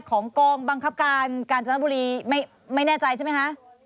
ของกองบังคับการกาญจนบุรีไม่แน่ใจใช่ไหมคะ